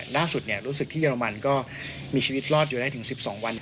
ล่าสุดรู้สึกที่เรมันก็มีชีวิตรอดอยู่ได้ถึง๑๒วัน